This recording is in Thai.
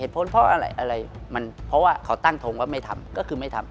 พ้นเพราะอะไรอะไรมันเพราะว่าเขาตั้งทงว่าไม่ทำก็คือไม่ทำ